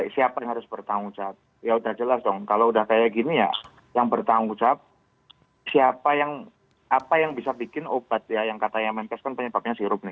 siapa yang harus bertanggung jawab